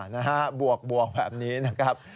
๕๕๕นะครับบวกแบบนี้นะครับ